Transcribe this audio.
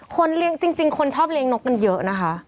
เลี้ยงจริงคนชอบเลี้ยงนกกันเยอะนะคะ